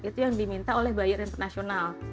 itu yang diminta oleh buyer internasional